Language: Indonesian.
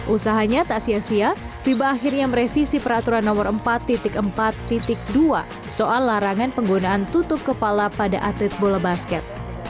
usahanya tak sia sia fiba akhirnya merevisi peraturan nomor empat empat dua soal larangan penggunaan tutup kepala pada atlet bola basket